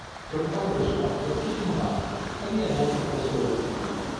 Preoccupato per suo padre, Piedino parte, tuttavia, gli altri presto lo raggiungeranno.